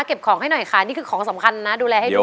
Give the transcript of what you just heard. เก็บของให้หน่อยค่ะนี่คือของสำคัญนะดูแลให้ด้วย